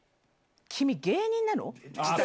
君、芸人なの？って。